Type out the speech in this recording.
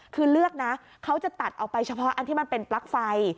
คือเลือกนะเขาจะตัดออกไปเฉพาะอันที่มันเป็นปลั๊กไฟ